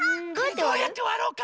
どうやってわろうか。